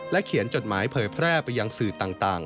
เขียนจดหมายเผยแพร่ไปยังสื่อต่าง